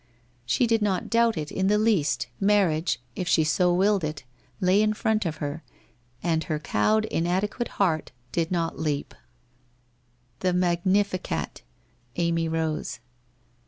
She did not doubt it in the least, marriage, if she so willed it, lay in front of her, and her cowed inadequate heart did not leap. The Magnificat! Amy rose.